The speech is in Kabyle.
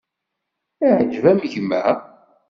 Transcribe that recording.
Iεǧeb-am gma?